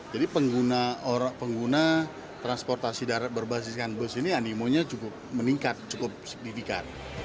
jadi pengguna transportasi darat berbasiskan bus ini animonya cukup meningkat cukup signifikan